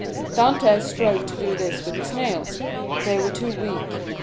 Dantès strove to do this with his nails, but they were too weak.